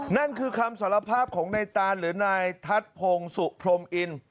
นั่นคือคำสารภาพของนายตานหรือนายทัศน์พงศุพรมอิน